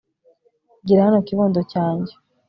igira hino kibondo cyanjye